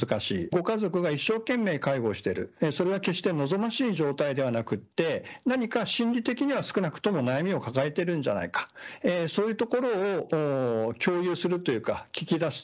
ご家族が一生懸命介護をしているというのは望ましい状態ではなく何か心理的には少なくとも悩みを抱えているんじゃないか、そういうところを共有する、聞き出す